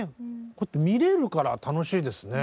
こうやって見れるから楽しいですね。